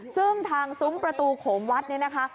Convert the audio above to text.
ซึ่งทางซุ้มประตูของวัดนี้นะคะ